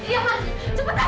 ya man cepat man